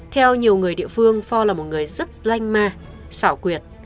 theo nhiều người địa phương phò là một người rất lanh ma xảo quyệt